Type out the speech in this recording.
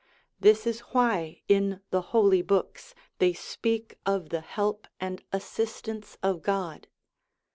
This is why in the Holy Books they speak of the help and assistance of God.